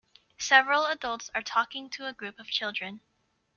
Several adults are talking to a group of children.